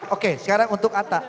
oke sekarang untuk atta